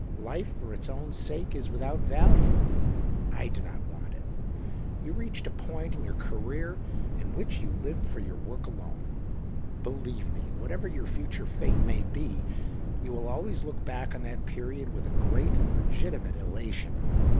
Life for its own sake is without value. I do not want it. You reached a point in your career in which you lived for your work alone. Believe me, what ever your future fate may be, you will always look back on that period with a great and legitimate elation.